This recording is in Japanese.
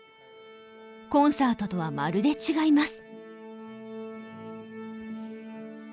コンサートとはまるで違います。